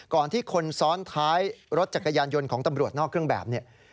ก่อนที่คนซ้อนท้ายรถจักรยานยนต์ของตำรวจนอกเครื่องแบบเนี่ย